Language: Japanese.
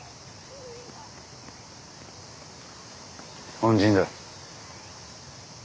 恩人だ。